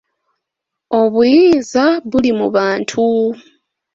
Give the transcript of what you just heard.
Obuyinza buli mu bantu.